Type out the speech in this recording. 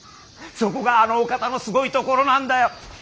そこがあのお方のすごいところなんだよ。